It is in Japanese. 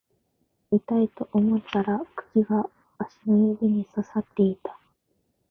痛いと思ったら釘が足の指に刺さっていた